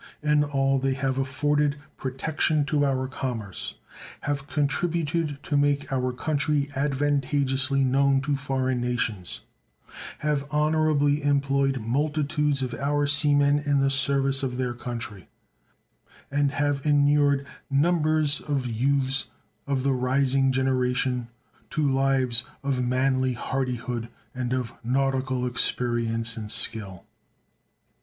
In all they have afforded protection to our commerce, have contributed to make our country advantageously known to foreign nations, have honorably employed multitudes of our sea men in the service of their country, and have inured numbers of youths of the rising generation to lives of manly hardihood and of nautical experience and skill.